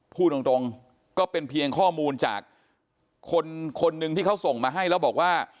พูดตรงก็เป็นเพียงข้อมูลจากคนคนหนึ่งที่เขาส่งมาให้แล้วบอกว่า